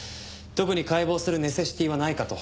特に解剖するネセシティはないかと。